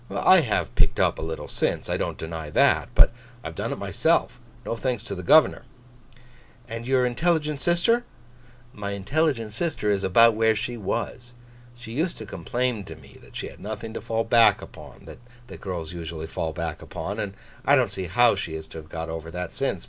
I have picked up a little since. I don't deny that. But I have done it myself; no thanks to the governor.' 'And your intelligent sister?' 'My intelligent sister is about where she was. She used to complain to me that she had nothing to fall back upon, that girls usually fall back upon; and I don't see how she is to have got over that since.